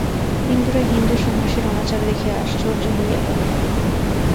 হিন্দুরা হিন্দু সন্ন্যাসীর অনাচার দেখিয়া আশ্চর্য হইয়া গেল।